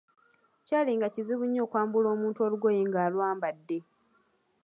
Kyaali nga kizibu nnyo okwambula omuntu olugoye ng'alwambadde.